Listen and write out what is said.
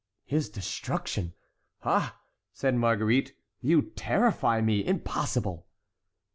"His destruction! ah," said Marguerite, "you terrify me—impossible!"